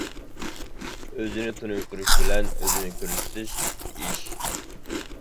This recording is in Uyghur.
ئۆزىنى تونۇشتۇرۇش بىلەن ئۆزىنى كۆرسىتىش ئىككى ئىش.